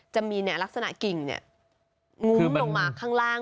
จะมีเนี่ยลักษณะกิ่งเนี่ยคือมันงุ้มลงมาข้างล่าง